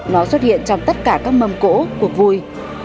nó xuất hiện trong tất cả các mâm cổ cuộc vui